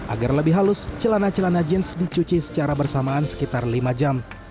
agar lebih halus celana celana jeans dicuci secara bersamaan sekitar lima jam